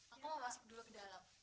aku masuk dulu ke dalam